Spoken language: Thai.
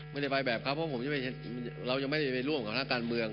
ไม่ได้ไปแบบเขาเพราะผมเรายังไม่ได้ไปร่วมกับนักการเมือง